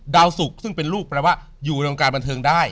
สุกซึ่งเป็นลูกแปลว่าอยู่ในวงการบันเทิงได้